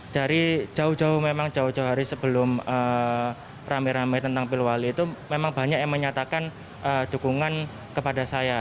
dari jauh jauh memang jauh jauh hari sebelum rame rame tentang pilwali itu memang banyak yang menyatakan dukungan kepada saya